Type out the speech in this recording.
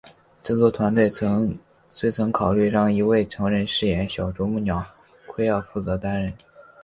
制作团队虽曾考虑让一位成人饰演小啄木鸟奎尔负责担任。